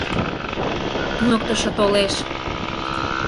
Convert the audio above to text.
— Туныктышо толеш.